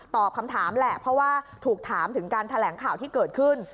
คำถามแหละเพราะว่าถูกถามถึงการแถลงข่าวที่เกิดขึ้น